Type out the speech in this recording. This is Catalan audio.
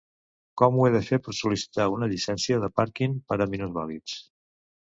Com ho he de fer per sol·licitar una llicència de parking per a minusvàlids?